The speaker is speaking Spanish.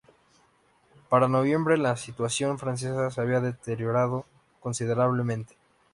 Para noviembre, la situación francesa se había deteriorado considerablemente.